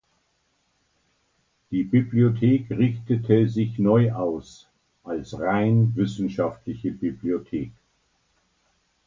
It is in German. Die Bibliothek richtete sich neu aus als rein Wissenschaftliche Bibliothek.